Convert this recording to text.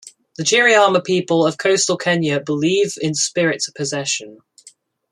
The Giriama people of coastal Kenya believe in spirit possession.